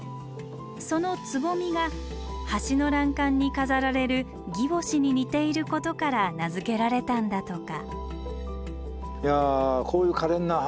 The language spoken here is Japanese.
そのつぼみが橋の欄干に飾られる擬宝珠に似ていることから名付けられたんだとか。